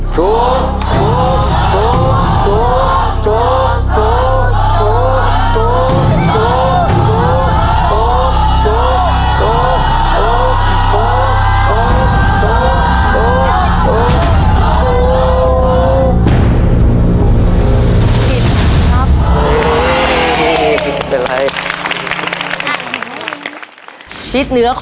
ถูก